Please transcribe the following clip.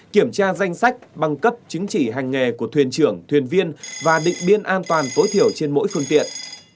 kiểm tra danh sách bằng cấp chứng chỉ hành nghề của thuyền trưởng thuyền viên và định biên an toàn tối thiểu trên mỗi phương tiện